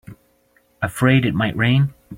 Afraid it might rain?